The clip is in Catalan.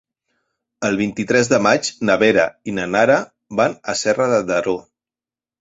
El vint-i-tres de maig na Vera i na Nara van a Serra de Daró.